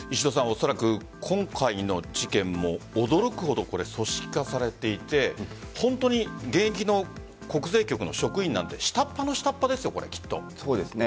おそらく今回の事件も驚くほど組織化されていて本当に現役の国税局の職員なんて下っ端の下っ端ですよ、きっと。